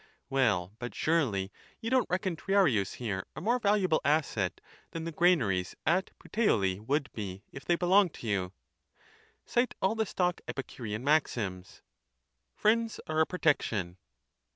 Well, but surely you don't reckon Triarius here a more valuable asset than the granaries at Puteoli would be if they belonged to ynu ? Cite all the stock Epicurean maxims. Friends are a pro tection.'